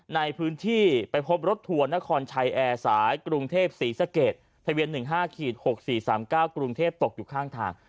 ในพื้นที่ไปพบรถทัวร์นครชัยแอร์สายกรุงเทพศรีสะเกดทะเบียน๑๕๖๔๓๙กรุงเทพตกอยู่ข้างทาง